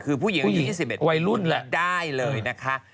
คือผู้หญิงอายุ๒๑ได้เลยนะคะ